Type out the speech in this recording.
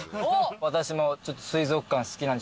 私も。